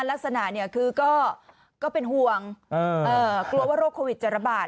ลักษณะก็เป็นห่วงกลัวว่าโรคโควิดจะระบาด